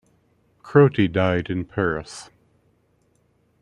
Crotti died in Paris.